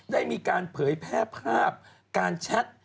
ได้มีการเผยแพร่ภาพการแชท